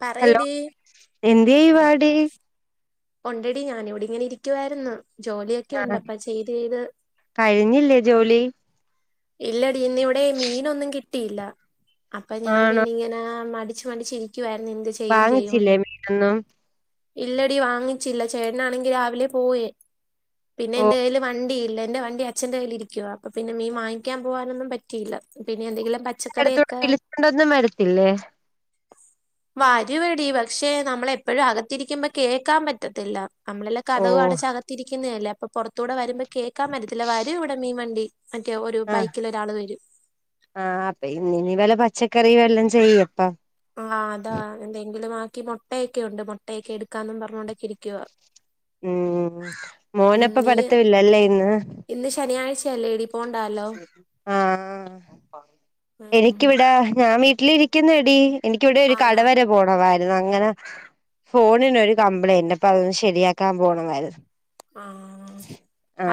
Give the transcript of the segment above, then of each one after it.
പറയടി. എന്ത് അല്ല ചെയ്യുവാടി? ഉണ്ടെടി ഞാനിവിടെ ഇങ്ങനെ ഇരിക്കുവായിരുന്നു. ജോലിയൊക്കെ ആഹ് ഉണ്ട് അപ്പ ചെയ്ത് ചെയ്ത് കഴിഞ്ഞില്ലേ ജോലി ഇല്ലടി ഇന്നവിടെ മീനൊന്നും കിട്ടിയില്ല അപ്പൊ ഞാൻ ആണോ പിന്നെ ഇങ്ങനെ മടി ച്ചു കണ്ടു ചിരിക്കുവാരുന്നു എന്ത് ചെയ്യും വാങ്ങിച്ചില്ലേ ചെയ്യുമെന്ന്. മീനൊന്നും ഇല്ലടി വാങ്ങിച്ചില്ല. ചേട്ടനാണെങ്കിൽ രാവിലെ പോയേ. പിന്നെ ഓ എൻ്റെ കയിൽ വണ്ടിയില്ല. എൻ്റെ വണ്ടി അ ച്ഛന്റെ കയ്യില് ഇരിക്കുവ. അപ്പൊ പിന്നെ മീൻ വാങ്ങിക്കാൻ പോവാനൊന്നും പറ്റയില്ല. പിന്നെ എന്തെങ്കിലും പ അടുത്തൂടെ വിളിച്ചോണ്ടൊന്നും വരത്തില്ലേ? വരുവെടി പക്ഷെ നമ്മളെപ്പോഴും അകത്തിരിക്കുമ്പോ കേൾക്കാൻ പ റ്റത്തില്ല. നമ്മളെല്ലാം ഓ കതകു അടച്ച് അകത്തിരിക്കുന്നതല്ലേ. അപ്പൊ പുറത്തൂടെ വരുമ്പ കേൾക്കാൻ പറ്റത്തില്ല. വരു ഇവിടെ മീൻ വണ്ടി. മറ്റേ ഒരു ആഹ് ബൈക്കിൽ ഒരാൾ വരും. ആഹ് അപ്പൊ ഇന്ന് ഇനി വെല്ല പച്ചക്കറി വല്ലോം ചെയ്യപ്പ. ആഹ് അതാ. എന്തെങ്കിലും ആക്കി മുട്ടയൊക്കെ ഉണ്ട്. മുട്ടയൊക്കെ എടുക്കാന്നും പറഞ്ഞോണ്ട് ഇരിക്കുവാ. ഉം ഉം മോനപ്പ നീ പഠിത്തം ഇല്ലല്ലേ ഇന്ന്? ഇന്ന് ശനിയാഴ്ചയല്ലേടി? പോണ്ടാല്ലോ? ആഹ് ഉം എനിക്കിവിടാ ഞാൻ വീട്ടിലിരിക്കുന്നെടി. എനിക്കിവിടെ ഒരു ആണോ കടവരെ പോണമായിരുന്നു. അങ്ങനെ ഫോണിന് ഒരു കംപ്ലയിന്റ് അപ്പൊ അതൊന്ന് ശരിയാക്കാൻ പോണമായിരുന്നു. ആഹ്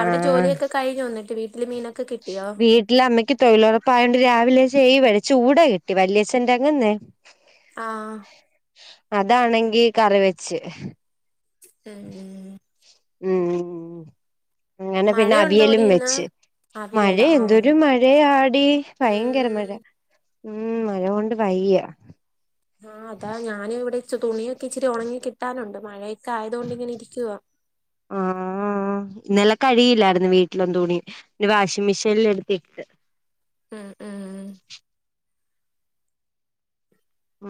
അവിടെ ജോലിയൊക്കെ കഴിഞ്ഞോ? എന്നിട്ട് വീട്ടില് മീനൊക്കെ കിട്ടിയോ? വീട്ടില് അമ്മയ്ക്ക് തൊഴിലുറപ്പായോണ്ട് രാവിലെ ചെയുവായി ചൂട കിട്ടി. വല്യച്ഛന്റെ അങ്ങന്നെ ആഹ്. അതാണെങ്കി കറി വെച്ച്. ഉം. ഉം. അങ്ങനെ പിന്നെ മഴയുണ്ടോടി അവിയലും ഇന്ന്? വെച്ചു. മഴ അവിയലോ ആഹ് എന്തൊരു മഴയാടി ഭയങ്കര മഴ. ഉം ഉം മഴകൊണ്ട് വയ്യ. ആഹ് അതാ ഞാനും ഇവിടെ ഇച്ച തുണിയൊക്കെ ഇച്ചിരി ഉണങ്ങി കിട്ടാനുണ്ട് മഴയൊക്കെ ആയതുകൊണ്ടിങ്ങനെ ഇരിക്കുവ ആഹ്. ഇന്നല്ലെ കഴിയില്ലായിരുന്നു വീട്ട്ലം തുണി പിന്നെ വാഷിംഗ് മെഷീനിൽ എടുത്തിട്ട്. ഉം ഉം ഉം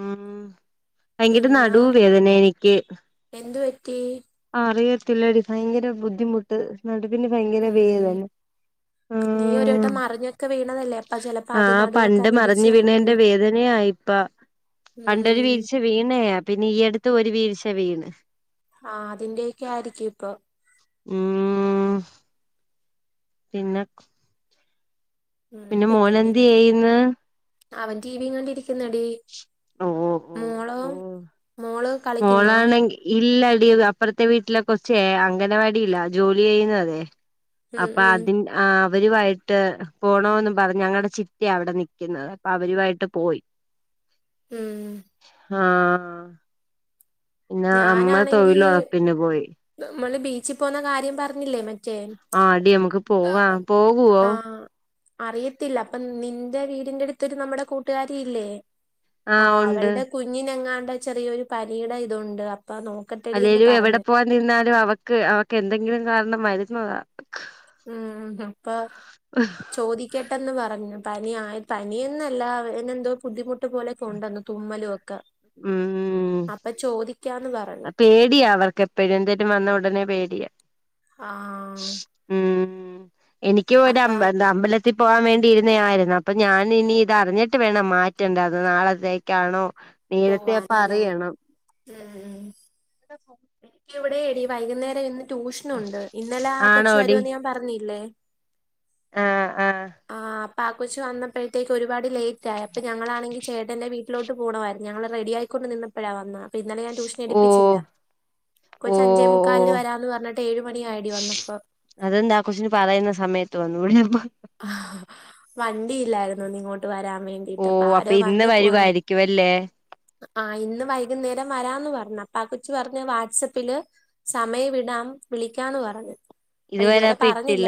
ഉം ഭയങ്കര നടുവ് വേദന എനിക്ക്. എന്തുപറ്റി? ആഹ് അറിയത്തില്ലടി ഭയങ്കര ബുദ്ധിമുട്ട്. നടുവിന് ഭയങ്കര ഉം വേദന. നീ ഒരു ആഹ് വട്ടം മറിഞ്ഞൊക്കെ വീണതല്ലേ? അപ്പ ചിലപ്പോ അത് നടുവൊക്കെന്നിടിച്ച് കാണും. എന്റെ വേദനയായി പ്പ ഉം വീണയാ പിന്നെ ഈ അടുത്ത് ഒരു വീഴ്ച്ച വീണ്. ആഹ് അതിന്റെയൊക്കെയാരിക്കും ഇപ്പോ ഉം പിന്ന ഉം പിന്നെ ഇവിടെ മോനെന്ത് ഇങ്ങനെ ചെയ്യ്ന്ന്? അവൻ ടി വിയും കണ്ടിരിക്കുന്നെടി. ഓഹ് ഓ. മോളോ ഓ മോള്? കളിക്കുന്നോ മോളാണെങ്കി ഇല്ലടി അപ്പുറത്തെ വീട്ടിലെ കൊറച്ചേ അംഗനവാടില ജോലി ചെയ്യുന്നതെ ഉം അപ്പ ഉം അതിന് ആഹ് അവരുവായിട്ട് പോണോന്ന് പറഞ്ഞ് ഞങ്ങളടെ ചിറ്റയ അവിടെ നിക്കുന്നത് അപ്പൊ അവരുവായിട്ട് പോയി. [inaudible] ഉം. ആഹ് ന്നെ അമ്മ ഞാനാണെങ്കി തൊഴിലൊറപ്പിന് പോയി. നമ്മള് ബീച്ചിൽ പോന്ന കാര്യം പറഞ്ഞില്ലേ മറ്റേ? ആ ടിമ്മക്ക് പോവാം പോകുവോ? ആഹ് അറിയത്തില്ല അപ്പൊ നിന്റെ വീടിന്റെ അടുത്തുര്നമ്മുടെ കൂട്ടുകാരി ഇല്ലേ? ആഹ് അവൾടെ കുഞ്ഞിനെങ്ങാണ്ട ചെറിയൊരു പനിയുടെ ഇതൊണ്ട് അപ്പ നോ അല്ലേലും എവിടെ പോവാൻ നിന്നാലും അവക്ക് അവക്ക് എന്തെങ്കിലും കാരണം വരുന്നതാ. ഉം ഹപ്പ ആഹ് ചോദിക്കട്ടെന്ന് പറഞ്ഞു പനി ആ പനിയന്നല്ല അ എന്തോ ബുദ്ധിമുട്ട് പോലെ കൊണ്ടുവന്നു തുമ്മലും ഒക്കെ ക്ക ഉം അപ്പൊ ചോദിക്കാന്ന് പറ പേടിയാ അവർക്കെപ്പഴും എന്തേലും വന്ന ഒടനെ പേടിയാ ആഹ് ഉം എനിക്ക് ഒരു അപ്പ അമ്പ എന്ത അമ്പല ത്തി പോകാൻ വേണ്ടിയിരുന്ന ആരുന്നു അപ്പൊ ഞാൻ ഇനി ഇത് അറിഞ്ഞിട്ട് വേണം മാറ്റേണ്ടത് നാളത്തേക്കാണോ? നേരത്തെ പോവാനല്ലേ പറയണം ഉം.. [unintelligible] എനിക്ക് ഇവിടെ എടി വൈന്നേരം ഇന്ന് ട്യൂഷനുണ്ട് ഇന്നലെ അ കൊച്ചു ആണോടി വരുമന്ന് ഞാൻ പറഞ്ഞില്ലേ? ആഹ് ആഹ് ആഹ് പാക്ക കൊച്ച് വന്നപ്പോഴേക്ക് ഒരുപാട് ലേറ്റ ആയ അപ്പോൾ ഞങ്ങളാണെങ്കിൽ ചേട്ടൻ് വീട്ടിലട്ട് പോകമായിരുന്നു ഞങ്ങൾ റെഡിയായിക്കൊണ്ട് നിന്ന് പ്പോഴ വന്നേ അപ്പ ഇന്നലെ ഞൻ ട്യൂഷൻ ഓ എടുപ്പിച്ചില്ല. ഓ കൊച്ച്അഞ്ചേ ഓ മുക്കാലില് വരാന്ന് പറഞ്ഞിട്ട്ഏഴ് മണിയയിടി വന്നപ്പം അതെന്താ കൊച്ചിന് പറയുന്ന സമയത്ത് വന്നു ടെപ്പോ ആ വണ്ടി ഇല്ലായിരുന്നു ഇങ്ങോട്ട് വരാൻ വേണ്ടി. ഓ ട്ടിപ്പ അപ്പൊ ആരോ ഇന്ന് വന്ന് കൊ വരുവായിരിക്കും അല്ലേ ആഹ് ഇന്ന് വൈകുന്നേരം വരാന്ന് പറഞ്ഞു അപ്പൊ ആ കൊച്ച് പറഞ്ഞ വാട്സപ്പില് സമയം വിടാം വിളിക്കന്ന് പറഞ്ഞത് അപ്പ ഇതുവരെ പറഞ്ഞില്ല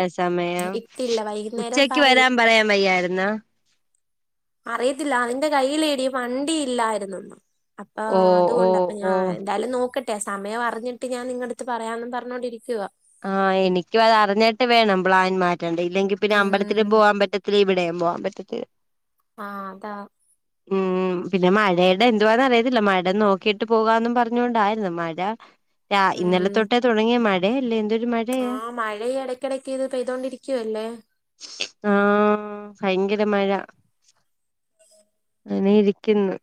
ഇട്ടില്ല വൈ ച്ചക്ക് വരാൻ പറയാൻ വയ്യായിരുന്നോ? അറിയത്തില്ല അതിന്റെ കയ്യിലേടിയ വണ്ടി ഇല്ലാരിന്ന് അപ്പൊ ഓ ഓ അതുകൊണ്ടപ്പ ഓ ഞാൻ എന്തായാലും നോക്കട്ടെ സമയം അറിഞ്ഞിട്ട് ഞാൻ നിങ്ങളടുത്ത് പറയാന്ന് പറഞ്ഞോണ്ടിരിക്കുവ. ആഹ് എനിക്കും അത് അറിഞ്ഞിട്ട് വേണം പ്ലാൻ മാറ്റേണ്ടേ ഇല്ലെങ്കി പിന്നെ ഉം അമ്പലത്തിലും പോവാൻ പറ്റ ലിവിടെയും പോകൻ പറ്റെത്തില്ല. ആഹ് അതാ. ഉം. ഉം പിന്നെ മഴയുടെ എന്തുവാന്ന റിയത്തില്ല മഴ നോക്കിയിട്ട് പോകാന്നും പറഞ്ഞുകൊണ്ടായിരുന്നു മഴ. രാ ഇന്നലെ തൊട്ടേ തുടങ്ങിയ മഴേ അല്ലേ എന്തൊരു മഴ ആഹ് മഴ ഇടയ്ക്കിടയ്ക്ക്ത് പെയ്തോണ്ടിരിക്കുവല്ലേ? ആഹ് ഭയങ്കര മഴ. അങ്ങനെ ഇരിക്കുന്ന്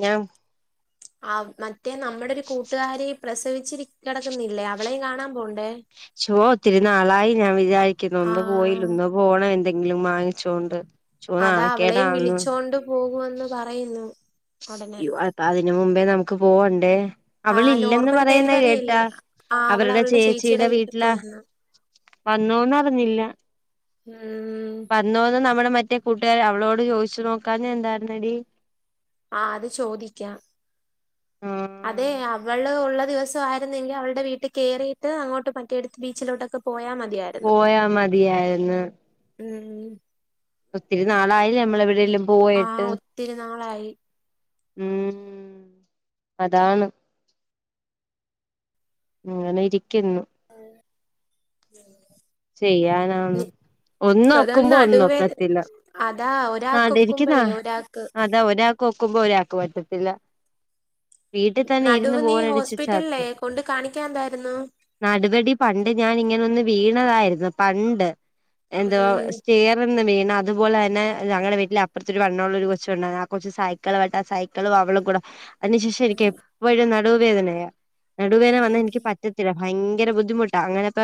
ഞവൂ ആഹ് മറ്റേ നമ്മുടെ ഒരു കൂട്ടുകാരി പ്രസവിച്ചി കിടക്കുന്നില്ലേ അവളേയും കാണാൻ പോണ്ടേ? ശോ ഒത്തിരി നാളായി ഞാൻ വിചാരിക്കുന്നു ഒന്ന് ആഹ് പോയില്ലൊന്ന്. പോണ്ണം എന്തെങ്കിലും വാങ്ങിച്ചോണ്ട് ശോ അതാ അവളേയും നാണക്കേടാന്ന് വിളിച്ചോണ്ട് പോകൊന്ന് പറയുന്നു ഉടനെ [unintelligible] അതിന് മുമ്പേ നമുക്ക് പോവണ്ടേ ആ അവള ഇല്ലന്ന് നോർമൽ പറയുന്ന ഡെലിവറി കേട്ടോ അല്ലേ ആ അവള് അവരുടെ അവളുടെ ചേച്ചിയുടെ ചേച്ചിയിടെ വീട്ടിൽ വീട്ടിലാ പോയിന്ന് വന്നോന്ന് അറിഞ്ഞില്ല ഉം പ വന്നോന്ന് നമ്മുടെ മറ്റേ കൂട്ടുകാരർ അവളോട് ചോദിച്ചു നോക്കാന്നത് ന്തായിരുന്നടി ആഹ് അത് ചോദിക്കാം അതെ ആഹ് അവള് ഉള്ള ദിവസ [unintelligible] ആരുന്നെങ്കിൽ അവുടെ വീട്ടിൽ കയറിയിട്ട് അങ്ങോട്ട് മറ്റിയെടുത്ത് ബീച്ചിലോട്ടൊക്കെ പോയാൽ മതിയായിരുന്നു പോയാ മതിയായിരുന്ന്. ഉം ഒത്തിരി നാളായില്ലേ നമ്മളെവിടെയെല്ലും പോയിട്ട് ആഹ് ഒത്തിരി നാളായി ഉം അതാണ് ഇങ്ങനെ ഇരിക്കുന്നു ഉം ചെയ്യാനാണ് ഒന്ന് അതാ ഒക്കുമ്പോ ഒന്നും നടുവേ നോക്കത്തില്ല അതാ [unintelligible] ഇരിക്കുന്നാ ഒരാക്കൊക്കുമ്പഴേ ഒരാക്ക് അതാ ഒരാ ക്കുമ്പോ ഓരാക്ക് പറ്റത്തില്ല വീട്ടി തന്നെ ഇരുന്ന് നടുവ് നീ ബോറാടിച്ച് ഹോസ്പിറ്റലിലേ ചാത്ത് കൊണ്ട് കാണിക്കാന്തായിരുന്നു നടപടി പണ്ട് ഞാൻ ഇങ്ങനെ ഒന്ന് വീണതായിരുന്നു പണ്ട് എന്തോ ഉം സ്റ്റെർ [unintelligible] വീണ് അതുപോലെ തന്ന ഞങ്ങടെ വീട്ടിൽ അപ്പുറത്തെ ഒരു വണ്ണോള്ള ഒരു കൊച്ചുണ്ട് ആ കൊച്ച് സയ് സൈക്കളായിട്ട് സൈക്കിള്അവളു ക്കുടെ അതിനുശേഷം എനിക്ക് എപ്പോഴും നടുവേദനയാണ് നടുവേദന വന്നാൽ എനിക്ക് ഉം പറ്റാ ത്തില്ലഭയങ്കര ബുദ്ധിമുട്ടാ അങ്ങനെപ്പ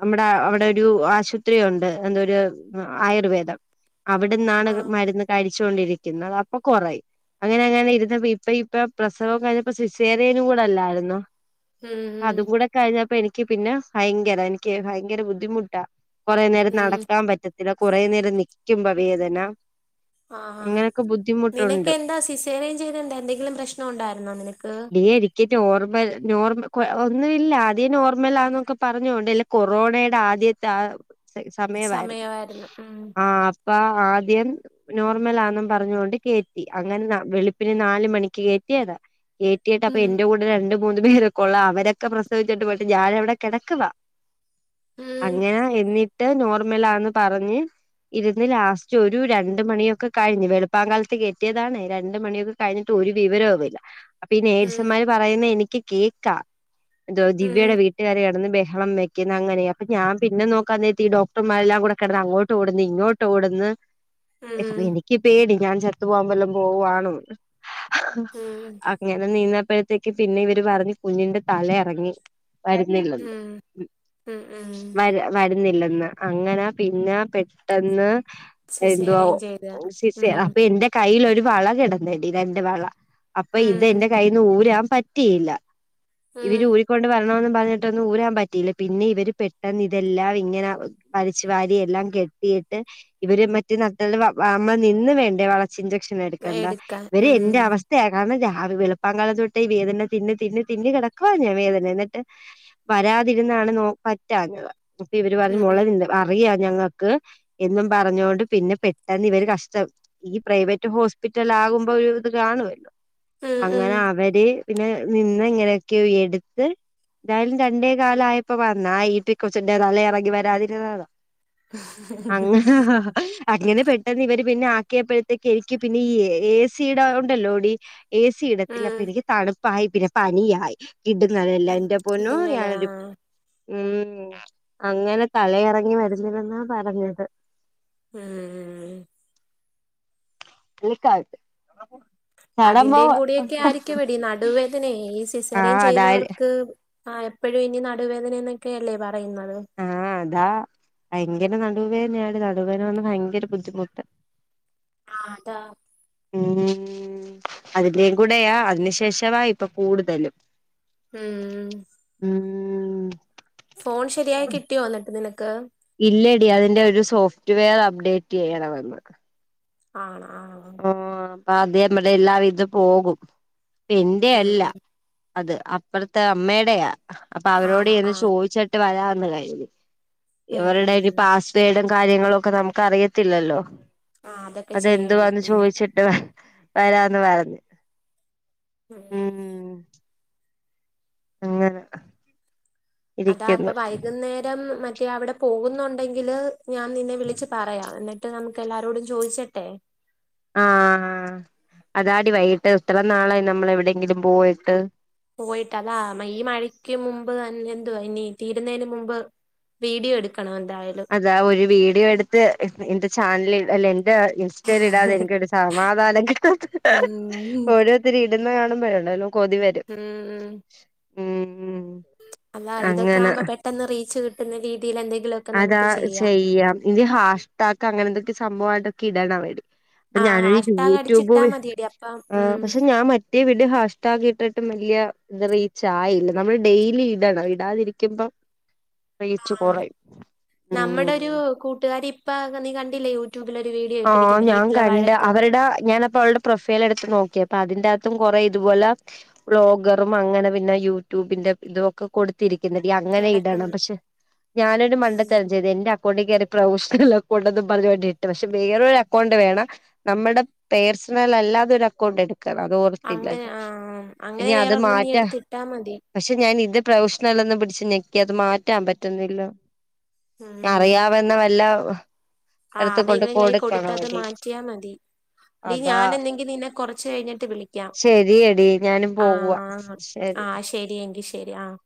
നമ്മുടെ അവിടെ ഒരു ആശുപത്രി ഉണ്ട് എന്ത ഒരു ആയുർവേദം അവിടെന്നാണ് ആഹ് മരുന്ന് കഴിച്ചുകൊണ്ടിരിക്കുന്നത് അപ്പൊ കൊറയും അങ്ങനെ അങ്ങനെ ഇരുന്നപ്പ ഇപ്പ ഇപ്പൊ പ്രസവം കഴിഞ്ഞപ്പോ സിസേറിയൻ കൂടല്ലാരുന്നോ ഉം ഉം അതും കൂടെ കഴിഞ്ഞപ്പ എനിക്ക് പിന്നെ ഭയങ്കര എനിക്ക് ഭയങ്കര ബുദ്ധിമുട്ടാ കുറേ നേരം ഉം നടക്കാൻ പറ്റത്തില്ല കുറേ നേരം നിൽക്കുമ്പോ വേദന ആഹാ അങ്ങനെയൊക്കെ നിനക്ക് ബുദ്ധിമുട്ടുണ്ട് എന്താ സിസേറിയൻ ചെയ്തണ്ട് എന്തെങ്കിലും പ്രശ്നം ഉണ്ടായിരുന്നോ നിനക്ക് ക് നോർമൽ നോർമ കൊ ഒന്നുമല്ല അധിയെ നോർമൽാന്നൊക്കെ പറഞ്ഞോണ്ടല്ല കൊറോണയുടെ ആദ്യത്തെ ആ സമയമായിരുന്നു ആ അപ്പ ആദ്യം നോർമലാണെന്നും പറഞ്ഞൊണ്ട് കേറ്റി അങ്ങനെ വെളുപ്പിന് നാല് മണിക്ക് കയറ്റിയതാ കെട്ടിയപ്പോ പ്പൊ ഉം എന്റെ കൂടെ രണ്ട് മൂന്ന് പേരൊക്കെള്ള അവരൊക്കെ പ്രസവിച്ചട്ട് പോയിട്ട് ഞാന എവിടെ കിടക്കുവ ഉം അങ്ങനെ എന്നിട്ട് നോർമലാന്ന് പറഞ്ഞ് ഇരുന്ന് ലാസ്റ്റ് ഒരു രണ്ട് മണിയൊക്കെ കഴിഞ്ഞു വെളുപ്പം കാലത്ത് കെറ്റിയതാണ് രണ്ട് മണിയൊക്കെ കഴിഞ്ഞിട്ട് ഒരു വിവരവും ഇല്ല അപ്പൊ ഈ ഉം നേഴ്സന്മാര് പറയുന്ന എനിക്ക് കേക്കാ എന്തോ ഉം ദിവ്യയുടെ വീട്ടുകാര കടന്ന് ബഹളം വെക്കു ന്നാ അങ്ങനെ അപ്പ ഞാൻ പിന്നെ നോക്കാന്ന ഡോക്ർമാരെല്ലാം കൂടെ അങ്ങോട്ട് ഇങ്ങോട്ടു ഓടന്ന് പ്പ ഉം എനിക്ക് പേടി ഞാൻ ചത്തു പോകൻ വല്ലാം പോവാണോ ഉം അങ്ങനെ നീന്നപ്പോഴത്തേക്ക് പിന്നെ ഇവര് പറഞ്ഞു കുഞ്ഞിന്റെ തല അറങ്ങി വരുന്നില്ലന്ന് ഉം ഉം ഉം വരുന്നില്ലെന്ന് അങ്ങനെ പിന്നെ പെട്ടെന്ന് എന്തുവാ സിസേറിയൻ ചെയ്തതാ സിസേ ഉം അപ്പൊന്റെ കയ്യില് ഒരു വള കിടന്നണ്ട് രണ്ട് വള അപ്പൊ ഉം ഇതെന്റെ കയ്യിൽ നിന്ന് ഊരാൻ പറ്റ പറ്റിയില്ല ഇവര് ഉം ഊിക്കൊണ്ട് വരണന്ന് പറഞ്ഞിട്ടൊന്നും ഊരാൻ പറ്റിയില്ല പിന്നെ ഇവര് പെട്ടെന്ന് ഇതെല്ലാം ഇങ്ങനെ വലിച്ചു വാരി എല്ലാം കെട്ടിയിട്ട് ഇവര് മറ്റെ നട്ടല്ല് വ നമ്മൾ നിന്ന് വേണ്ടേ വളച്ച ഇഞ്ചക്ഷൻ എടുക്കേണ്ട എടുക്കാൻ ഇവര് ഉം എന്റെ അവസ്ഥ കാരണം വെളുപ്പാം കാലത്തൊട്ട് ഈ വേദന തിന്ന് തിന്നന്ന് തിന്ന കിടക്കവാണ് ഞാൻ വേദന എന്നിട്ട് വരാതിരുന്നാണ് നോ പറ്റാഞ്ഞത് അപ്പൊ ഇവര് പറഞ്ഞ മോളെ ഉം അറിയാ ഞങ്ങക്ക് എന്നും പറഞ്ഞോണ്ട് പിന്നെ പെട്ടെന്ന് ഇവര് കഷ്ടം ഈ പ്രൈവറ്റ് ഹോസ്പിറ്റൽ ആകുമ്പോ ഒരു ഇത് കാണുവല്ലോ ഉം ഉം അങ്ങനെ അവര് പിന്നെ നിന്ന് എങ്ങനെയൊക്കെ എടുത്ത് എന്തായാലും രണ്ട് കാല ആയപ്പോ വന്നാ ഈറ്റി കൊച്ചിന്റെ തല ഇറങ്ങി വരാതിരുന്നതാ അങ്ങനെ അങ്ങനെ പെട്ടെന്ന് ഇവര് പിന്നെ ആക്കിയപ്പോഴത്തേക്ക് എനിക്ക് പിന്നെ ഈ ഏ സിയുടെ ഉണ്ടല്ലോ ടി എ സി ഇടത്തില്ല അപ്പൊ ഉം എനിക്ക് തണുപ്പായി പിന്നെ പനിയായി ഇടുന്നല്ല എന്റെ പോന്നോ കിടുങ്ങല് ഞാനൊരു ആഹ് ഉം അങ്ങനെ തലയിറങ്ങി വരുന്നില്ലെന്നാ പറഞ്ഞത് ഏഹ് [unintelligible] ചടമ്പോ അതിന്റെയും കൂടി യൊക്കെ ആയിരിക്കുവെടി നടുവേദനയെ ഈ ആ സിസേറിയൻ അതാ ചെയ്യുന്നവർക്ക് ആ എപ്പോഴും ഇനി നടുവേദന എന്നൊക്കെയല്ലേ പറയുന്നത് ആ ദാ ഭയങ്കര നടുവേദനാണ് നടുവേന വന്ന് ഭയങ്കര ബുദ്ധിമുട്ട് ആ അതാ ഉം അതിന്റെയും കൂടെയാ അതിനു ശേഷവാ ഇപ്പൊ കൂടുതലും ഉം ഉം ഫോൺ ശരിയായി കിട്ടിയോ എന്നിട്ട് നിനക്ക് ഇല്ലടി അതിന്റെ ഒരു സോഫ്റ്റ് വെയർ അപ്ഡേറ്റ് ചെയ്യണമെന്ന് ആണോ ആ ആ അപ്പ അത നമ്മടെ എല്ലാ ഇതും പോകും പിന്റെ ഉം അല്ല ഉം അത് അപ്പറത്തെ അമ്മയുടെയാ അപ്പൊ അവരോട് ആണോ ചെന്ന് ആഹ് ചോദിച്ചിട്ട് വരാന്ന് കരുതി ഉം ഇവരുടെ ഒരു ഉം പാസ് വേഡും കാര്യങ്ങളും ഒക്കെ നമുക്ക് അറിയത്തില്ലല്ലോ ആ അതൊക്കെ ചെയ്യണം ഉം ചിട്ട് വരാന്ന് പറഞ്ഞു പിന്നെ ഉം അങ്ങനെ അതാ അപ്പൊ ഇരിക്കുന്നു വൈകുന്നേരം മറ്റേ അവിടെ പോകുന്നുണ്ടെങ്കില് ഞാൻ നിന്നെ വിളിച്ച് പറയാം എന്നിട്ട് നമുക്ക് എല്ലാരോടും ചോദിച്ചിട്ടെ ആ അതാടി വൈകിട്ട് ഇത്ര നാളായി നമ്മൾ എവിടെയെങ്കിലും പോയിട്ട് പോയിട്ട് അതാ ഈ മഴയ്ക്ക് മുമ്പ് എന് എന്തുവാ ഇനി തീരുന്നതിന് മുമ്പ് വീഡിയോ എടുക്കണം എന്തായാലും അതാ ഒരു വീഡിയോ എടുത്ത് എന്റെ ചാനലിൽ അല്ല എന്റെ ഇൻസ്റ്റ ലിൽ ഇടാതെ എനിക്കൊരു സമാധാനം കിട്ടത്തില്ല ഉം ഓരോ ത്തര് ഇടുന്ന കാണുമ്പള്ണ്ടല്ലോ കൊതി വരും ഉം ഉം ഉം അല്ല ഇതൊക്കെ അങ്ങനെ ആവുമ്പൊ പെട്ടെന്ന് റീച്ച് കിട്ടുന്ന രീതിയില് എന്തെങ്കിലും അതാ ചെയ്യാം ഇത് ഹാഷ്ടാക്ക് അങ്ങനെ എന്തൊക്കെ സംഭവമായിട്ടൊക്കെ ഇടണം അപ്പ ആഹ് ഞാനൊരു ഹാഷ്ടാഗ് അടിച്ചിട്ടാ യൂട്യൂബ് മതിയടി അപ്പം ആ ഉം പക്ഷെ ഞാൻ മ റ്റേ വീഡിയോ ഹാഷ് ടാഗിട്ടിട്ടും വലിയ ഇത് റീച്ച് ആയില്ല നമ്മള് ഡെയിലി ഇടണം ഇടാതിരിക്കുമ്പോ റീച്ച് ആഹ് കുറയും നമ്മുടെ ഒരു ഉം കൂട്ടുകാരി ഇപ്പ നീ കണ്ടില്ലേ യൂട്യൂബില് ഒരു വീഡിയോ ആ ഇട്ടിരിക്കുന്ന ഞാൻ വീട്ടിലെ കണ്ട് വഴക്ക് അവരുടെ ഞാനപ്പം പ്പ അവളുടെ പ്രൊഫൈൽ എടുത്ത് നോക്കി അപ്പ അതിന്റെകത്തും കുറേ ഇതുപോല ബ്ലോഗറും അങ്ങനെ പിന്നെ യൂട്യൂബിന്റെ ഇതും ഒ കൊടുത്തിരിക്കുന്നെടി അങ്ങനെ ഇടണം കിടക്ക്ന്ന് പക്ഷെ ഞാനൊരു ഉം മണ്ടത്തെ അ എന്റെ അക്കൗണ്ടിൽ കയറി പ്രൗഷണൽ അക്കൗണ്ട് എന്നും പറഞ്ഞ് ഇട്ട് പക്ഷേ വേറ ഒരു അക്കൗണ്ട് വേണം നമ്മുടെ പേഴ്സണൽ അല്ലാതെ ഒരു അക്കൗണ്ട് എടുക്ക അത് ഓർത്തില്ല അങ്ങനെ ഞാൻ ആഹ് അങ്ങനെ ഇനി അത് വേറൊരെണ്ണം നീ മാറ്റാ എടുത്തിട്ടാ മതി പക്ഷെ ഞാൻ ഇത് പ്രവിഷണൽ എന്ന് പിടിച്ച് ഞെക്കി അത് മാറ്റാൻ പറ്റുന്നില്ലോ അറിയാവെന്ന വല്ല ഇടത്തും കൊണ്ട് ആരുടെയങ്കിലും കൈ കൊടുത്തത് കൊടുക്കണോടി മാറ്റിയാൽ മതി ഡി അതാ ഞൻ എന്തെങ്കി നിന്നെ കൊറച്ച് കഴിഞ്ഞിട്ട് വിളിക്കാം ശരിയെടി ഞാനും പോകുവാ ആഹ ശരി ആഹ ശരിയങ്കി ശരി ആഹ